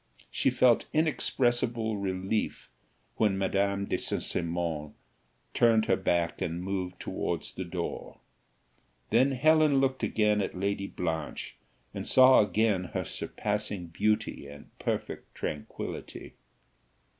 She felt inexpressible relief when Madame de St. Cymon turned her back and moved towards the door. Then Helen looked again at Lady Blanche, and saw again her surpassing beauty and perfect tranquillity.